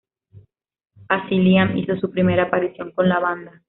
Así Liam hizo su primera aparición con la banda.